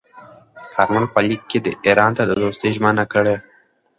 کارمل په لیک کې ایران ته د دوستۍ ژمنه کړې.